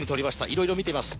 いろいろ見ています。